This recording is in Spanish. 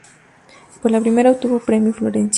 Por la primera obtuvo un Premio Florencio.